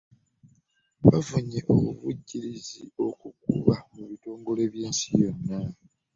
Bafunye obuvujjirizi okuba mu bitongole by'ensi yonna